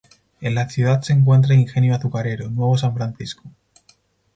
En la ciudad se encuentra ingenio azucarero, Nuevo San Francisco.